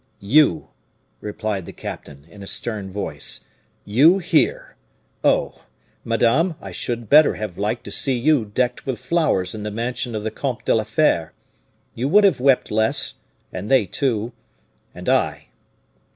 "You!" replied the captain, in a stern voice, "you here! oh! madame, I should better have liked to see you decked with flowers in the mansion of the Comte de la Fere. You would have wept less and they too and I!"